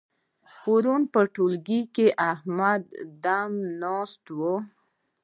پرون په ټولګي کې احمد دم ناست وو.